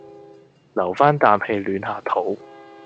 留返啖氣暖下肚